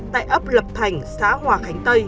tại ấp lập thành xã hòa khánh tây